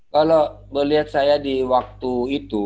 kalau melihat saya di waktu itu